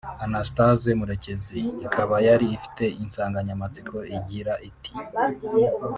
Anastase Murekezi; ikaba yari ifite insanganyamatsiko igira iti